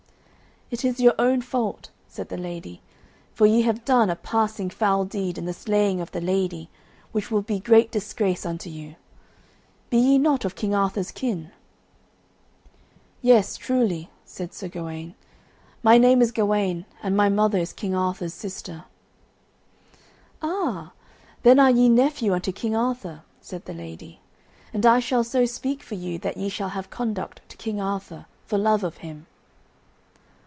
"It is your own fault," said the lady, "for ye have done a passing foul deed in the slaying of the lady, which will be great disgrace unto you. Be ye not of King Arthur's kin?" "Yes, truly," said Sir Gawaine. "My name is Gawaine, and my mother is King Arthur's sister." "Ah, then are ye nephew unto King Arthur," said the lady, "and I shall so speak for you that ye shall have conduct to King Arthur, for love of him."